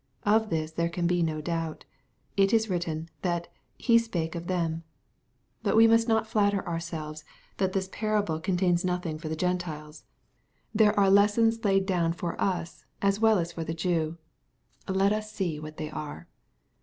Of this there can be no doubt. It ifl written, that " He spake of them.'' But we must not flatter ourselves that this parable con* 1 276 EXPOSITOBT THOUQHTS. tains Dothiog for the Gentiles. There are lessons laid down for us^ as well as for the Jew. Let us see what they are.